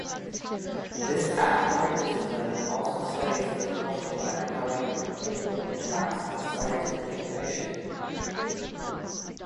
This academic discipline also studies the cultural, economic, and political impacts of scientific innovation.